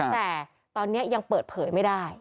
แต่ตอนนี้ยังเปิดเผยไม่ได้